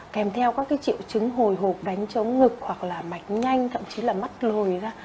kèm theo các cái triệu chứng hồi hộp đánh chống ngực hoặc là mạch nhanh thậm chí là mắt lùi ra